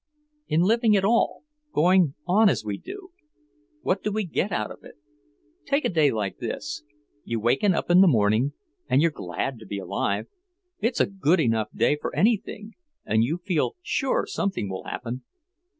"In living at all, going on as we do. What do we get out of it? Take a day like this: you waken up in the morning and you're glad to be alive; it's a good enough day for anything, and you feel sure something will happen.